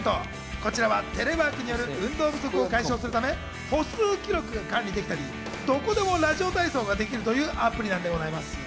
こちらはテレワークによる運動不足を解消するため、歩数記録が管理できたり、どこでもラジオ体操ができるというアプリなんでございます。